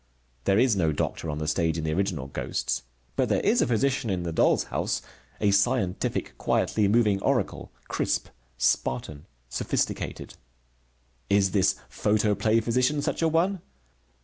There is no doctor on the stage in the original Ghosts. But there is a physician in the Doll's House, a scientific, quietly moving oracle, crisp, Spartan, sophisticated. Is this photoplay physician such a one?